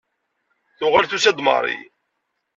Tuɣal tusa-d Marie.